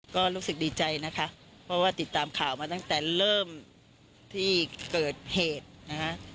ก็รู้สึกดีใจนะคะเพราะว่าติดตามข่าวมาตั้งแต่เริ่มที่เกิดเหตุนะคะ